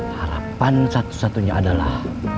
harapan satu satunya adalah